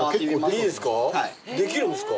いいですか？